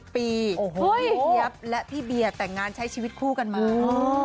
พี่เจี๊ยบและพี่เบียร์แต่งงานใช้ชีวิตคู่กันมา